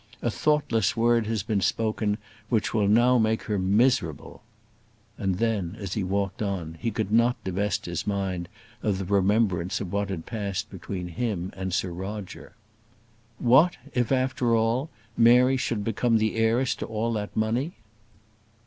A thoughtless word has been spoken which will now make her miserable!" And then, as he walked on, he could not divest his mind of the remembrance of what had passed between him and Sir Roger. What, if after all, Mary should become the heiress to all that money?